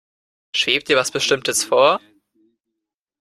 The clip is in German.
Schwebt dir etwas Bestimmtes vor?